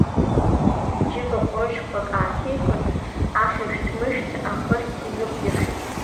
Иџьыба ҟәрышьқәак ааҭихын, ахышәҭмышәҭ ахыхь инықәиршәит.